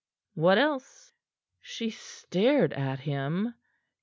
"What else?" She stared at him.